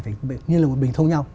phải như là một bình thông nhau